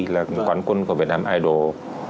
là quán quân của việt nam idol